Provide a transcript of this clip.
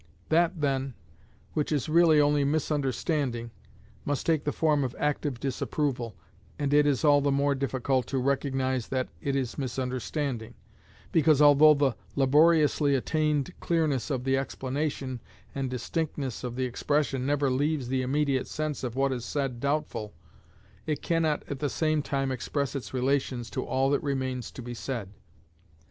That, then, which is really only misunderstanding, must take the form of active disapproval, and it is all the more difficult to recognise that it is misunderstanding, because although the laboriously attained clearness of the explanation and distinctness of the expression never leaves the immediate sense of what is said doubtful, it cannot at the same time express its relations to all that remains to be said.